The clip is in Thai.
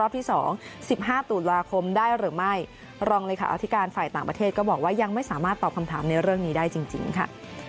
ที่การฝ่ายต่างประเทศก็บอกว่ายังไม่สามารถตอบคำถามในเรื่องนี้ได้จริงค่ะ